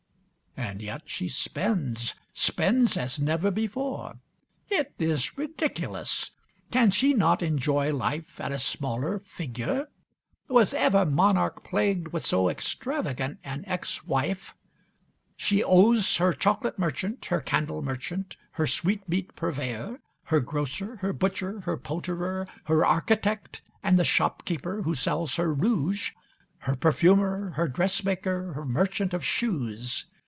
And yet she spends, spends as never before. It is ridiculous. Can she not enjoy life at a smaller figure? Was ever monarch plagued with so extravagant an ex wife. She owes her chocolate merchant, her candle merchant, her sweetmeat purveyor; her grocer, her butcher, her poulterer; her architect, and the shopkeeper who sells her rouge; her perfumer, her dressmaker, her merchant of shoes.